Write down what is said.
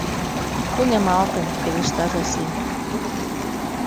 — Тунемалтын, — пелешта Зосим.